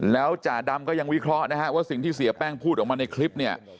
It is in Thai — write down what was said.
แล้วจ่าดำก็ยังวิเคราะห์นะฮะว่าสิ่งที่เสียแป้งพูดออกมาในคลิปเนี่ย